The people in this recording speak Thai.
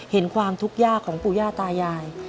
เห็นความทุกข์ยากของปู่ย่าตายาย